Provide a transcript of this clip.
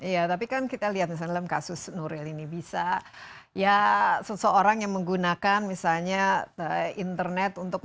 iya tapi kan kita lihat misalnya dalam kasus nuril ini bisa ya seseorang yang menggunakan misalnya internet untuk